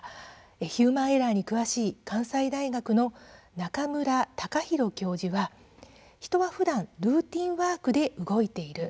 ヒューマンエラーに詳しい関西大学の中村隆宏教授は人はふだんルーティンワークで動いている。